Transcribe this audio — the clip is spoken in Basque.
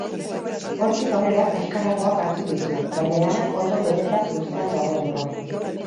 Hortik aurrera kaxkarragoak hartu ditu, baina lanak ondo beteta zeuzkan dagoeneko.